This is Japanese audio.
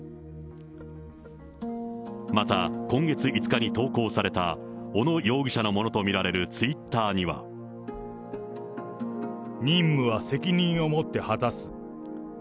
また、今月５日に投稿された小野容疑者のものと見られるツイッターには。任務は責任を持って果たす。